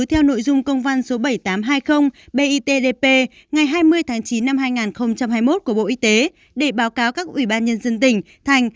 theo nội dung công văn số bảy nghìn tám trăm hai mươi bitdp ngày hai mươi tháng chín năm hai nghìn hai mươi một của bộ y tế để báo cáo các ủy ban nhân dân tỉnh thành